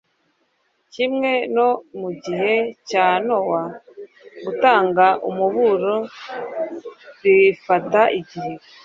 kimwe no mu gihe cya nowa gutanga umuburo bifata igihe